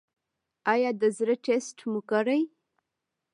ایا د زړه ټسټ مو کړی دی؟